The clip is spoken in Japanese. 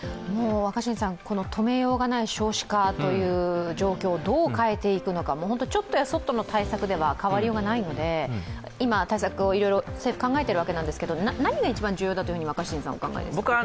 この止めようがない少子化という状況をどう変えていくのか、ちょっとやそっとの対策では変わりようがないので、今、対策をいろいろ考えているわけなんですけれども、何が一番重要だとお考えですか？